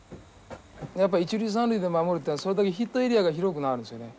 やっぱ一塁三塁で守るっていうのはそれだけヒットエリアが広くなるんですよね。